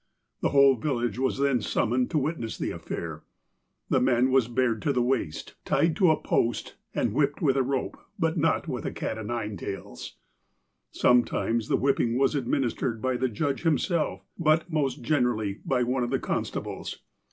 The whole village was then summoned to witness the affair. The man was bared to the waist, tied to a post, and whipped with a rope, but not with a cat o' nine tails. Sometimes the whipping was administered by the judge himself, but, most generally, by one of the constables.